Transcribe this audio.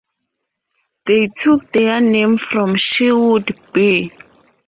They took their name from Sherwood B.